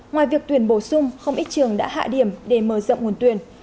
ngoài việc tuyển bổ sung không ít trường đã hạ điểm để mở rộng nguồn tuyển